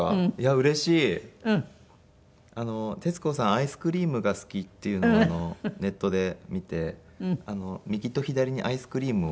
アイスクリームが好きっていうのをネットで見て右と左にアイスクリームを。